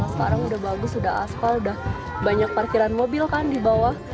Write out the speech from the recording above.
sekarang udah bagus udah asfal udah banyak parkiran mobil kan di bawah